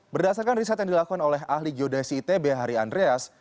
berdasarkan riset yang dilakukan oleh ahli geodasi itb hari andreas